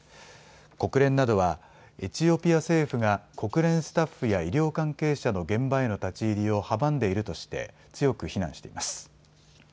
国連などはエチオピア政府が国連スタッフや医療関係者の現場への立ち入りを阻んでいるとして強く非難しています。